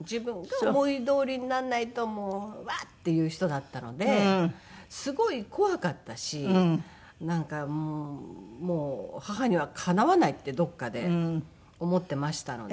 自分が思いどおりになんないとワッ！っていう人だったのですごい怖かったしなんかもう母にはかなわないってどこかで思っていましたので。